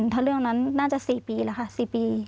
ถ้าเรื่องนั้นน่าจะ๔ปีแล้วค่ะ๔ปี